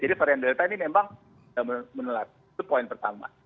jadi varian delta ini memang sudah menular itu poin pertama